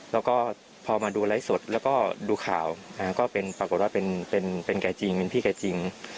แล้วก็พอมาดูไลฟ์สดแล้วก็ดูข่าวก็เป็นปรากฏว่าเป็นแกจริงเป็นพี่แกจริง